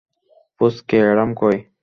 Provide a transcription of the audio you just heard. পুচকে অ্যাডাম কই?